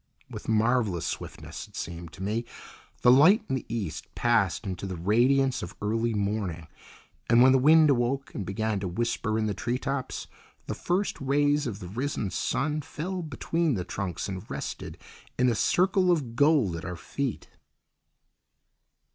With marvellous swiftness, it seemed to me, the light in the east passed into the radiance of early morning, and when the wind awoke and began to whisper in the tree tops, the first rays of the risen sun fell between the trunks and rested in a circle of gold at our feet.